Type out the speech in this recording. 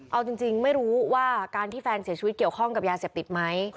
เอาจริงไม่รู้ว่าการที่แฟนเสียชีวิตเกี่ยวข้องกับยาเสพติดไหม